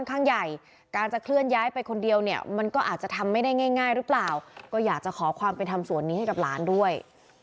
ข้างใหญ่การจะเคลื่อนย้ายไปคนเดียวเนี่ยมันก็อาจจะทำไม่ได้ง่ายหรือเปล่าก็อยากจะขอความเป็นธรรมส่วนนี้ให้กับหลานด้วย